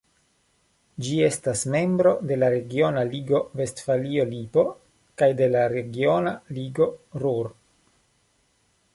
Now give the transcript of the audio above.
Ĝi estas membro de la regiona ligo Vestfalio-Lipo kaj de la regiona ligo Ruhr.